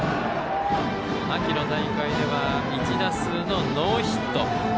秋の大会では１打数のノーヒット。